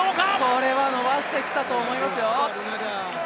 これは伸ばしてきたと思いますよ。